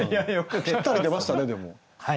ぴったり出ましたねでも。